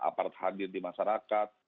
aparat hadir di masyarakat